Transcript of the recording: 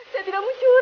jangan buat begitu ku